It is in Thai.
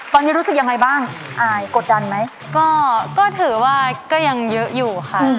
ตอนนี้รู้สึกยังไงบ้างอายกดดันไหมก็ถือว่าก็ยังเยอะอยู่ค่ะ